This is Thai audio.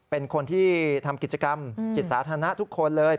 เป็นคนที่ทำกิจกรรมจิตสาธารณะทุกคนเลย